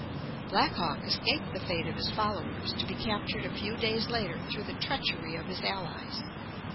Black Hawk escaped the fate of his followers, to be captured a few days later through the treachery of his allies.